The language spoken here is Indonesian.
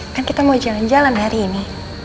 kan kita mau jalan jalan hari ini